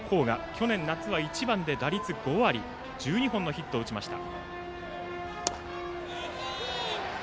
去年の夏は１番で打率５割１２本のヒットを打ちました。